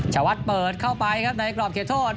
ชาวัดเปิดเข้าไปครับในกรอบเขตโทษ